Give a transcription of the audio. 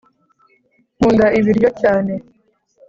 nkunda ibiryo cyane